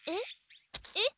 えっ？